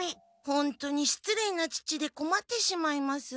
ホントにしつれいな父でこまってしまいます。